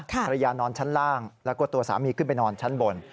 นอนชั้นล่างแล้วก็ตัวสามีขึ้นไปนอนชั้นบน